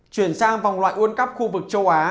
chuyển sang vòng loại world cup khu vực châu á